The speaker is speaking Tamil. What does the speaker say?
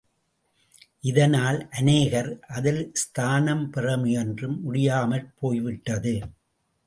இதனால் அநேகர் அதில் ஸ்தானம் பெறமுயன்றும் முடியாமற் போய்விட்டது.